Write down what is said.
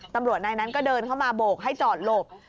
ตำรวจนายนั้นก็เดินเข้ามาโบกให้จอดหลบ